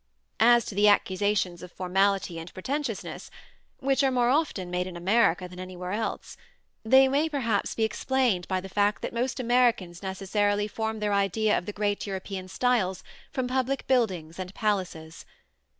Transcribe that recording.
As to the accusations of formality and pretentiousness (which are more often made in America than elsewhere), they may probably be explained by the fact that most Americans necessarily form their idea of the great European styles from public buildings and palaces.